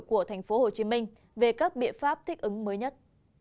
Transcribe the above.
của tp hcm về các biện pháp thích ứng mới nhất